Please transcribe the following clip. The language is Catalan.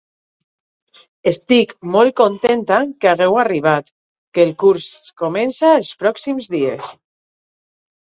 Estic molt contenta que hàgeu arribat, que el curs comença els pròxims dies...